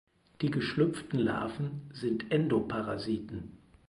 Die geschlüpften Larven sind Endoparasiten.